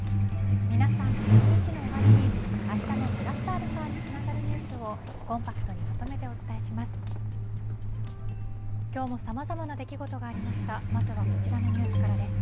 皆さんの一日の終わりにあしたのプラスαにつながるニュースをコンパクトにまとめてお伝えします。